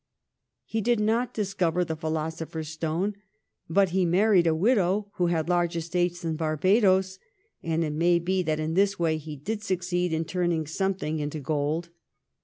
He did not discover the philosopher's stone, but he married a widow who had large estates in Barbadoes, and it may be that in this way he did succeed in turning something into gold.